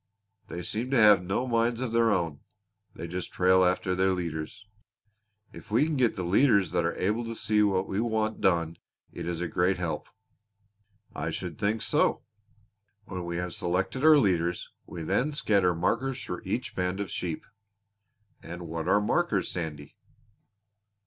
They seem to have no minds of their own they just trail after their leaders. If we can get leaders that are able to see what we want done it is a great help." "I should think so!" "When we have selected our leaders we then scatter markers through each band of sheep." "And what are markers, Sandy?"